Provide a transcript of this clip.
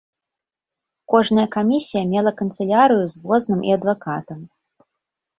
Кожная камісія мела канцылярыю з возным і адвакатам.